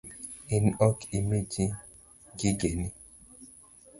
In ok imi ji gigeni?